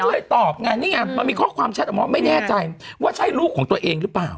ก็เลยตอบไงนี่ไงมันมีข้อความแชทออกมาไม่แน่ใจว่าใช่ลูกของตัวเองหรือเปล่า